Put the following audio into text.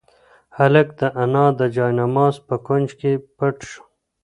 هلک د انا د جاینماز په کونج کې پټ شو.